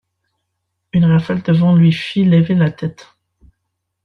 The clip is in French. Une rafale de vent lui fit lever la tête.